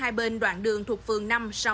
ở hai bên đoạn đường thuộc phường năm sáu bảy